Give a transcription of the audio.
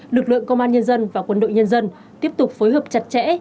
lực lượng công an nhân dân và quân đội nhân dân tiếp tục phối hợp chặt chẽ